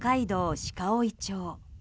鹿追町。